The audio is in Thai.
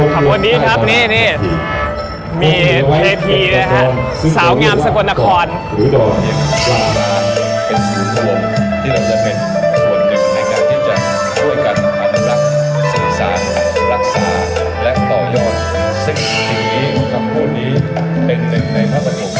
ครับวันนี้ครับนี่มีพลัยพีศาสตร์สาวงามสกุลนคร